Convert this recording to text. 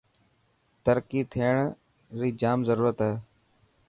ترقي ٿيڻ ري جام ضرورت هي.